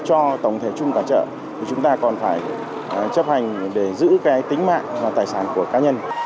cho tổng thể chung cả chợ chúng ta còn phải chấp hành để giữ tính mạng và tài sản của cá nhân